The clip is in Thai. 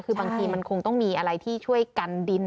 คือบางทีมันคงต้องมีอะไรที่ช่วยกันดิน